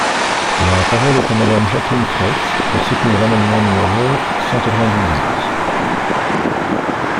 La parole est à Madame Jacqueline Fraysse, pour soutenir l’amendement numéro cent quatre-vingt-dix-huit.